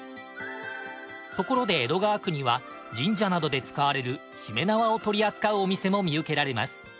ところで江戸川区には神社などで使われるしめ縄を取り扱うお店も見受けられます。